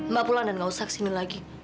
mbak pulang dan gak usah kesini lagi